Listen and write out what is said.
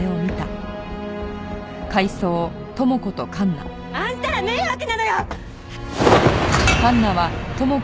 ああっ！あんたら迷惑なのよ！